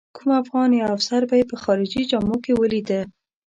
کوم افغان یا افسر به یې په خارجي جامو کې ولیده.